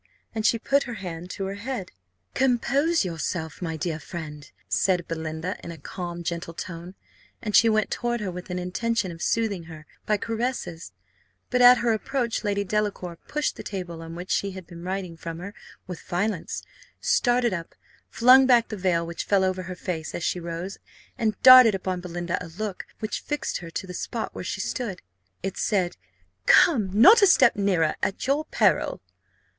and she put her hand to her head. "Compose yourself, my dear friend," said Belinda, in a calm, gentle tone; and she went toward her with an intention of soothing her by caresses; but, at her approach, Lady Delacour pushed the table on which she had been writing from her with violence, started up, flung back the veil which fell over her face as she rose, and darted upon Belinda a look, which fixed her to the spot where she stood. It said, "Come not a step nearer, at your peril!"